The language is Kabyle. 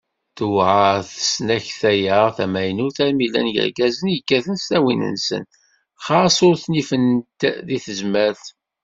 Tewɛer tesnakta-a tamaynut armi llan yirgazen i kkatent tlawin-nsen, ɣas ur ten-ifent deg tezmert.